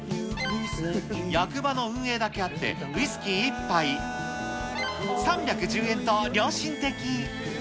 役場の運営だけあって、ウイスキー１杯３１０円と良心的。